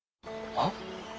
あっ！